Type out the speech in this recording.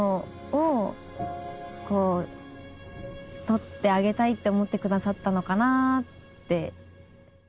撮ってあげたいって思ってくださったのかなって。